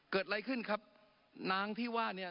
เกิดอะไรขึ้นครับนางที่ว่าเนี่ย